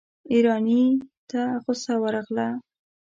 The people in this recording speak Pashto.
ايراني ته غصه ورغله.